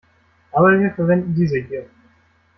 Aber wir verwenden diese hier.